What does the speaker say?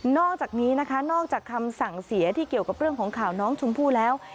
อกจากนี้นะคะนอกจากคำสั่งเสียที่เกี่ยวกับเรื่องของข่าวน้องชมพู่แล้ว